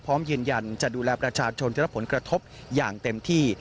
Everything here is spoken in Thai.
พร้อมยืนยันจะดูแลประชาชนจะรับผลกระทบอย่างเต็มที่